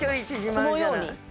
「このように」？